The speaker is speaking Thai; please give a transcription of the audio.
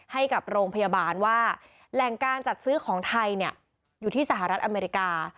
ให้กับโรงพยาบาลว่าแหล่งการจัดซื้อของไทยอยู่ที่สหรัฐอเมริกา